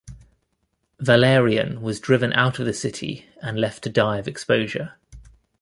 Valerian was driven out of the city and left to die of exposure.